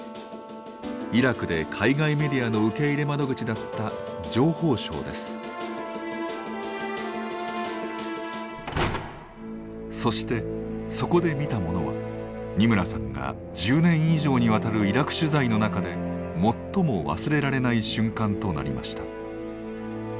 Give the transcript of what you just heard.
イラクで海外メディアの受け入れ窓口だったそしてそこで見たものは二村さんが１０年以上にわたるイラク取材の中で最も忘れられない瞬間となりました。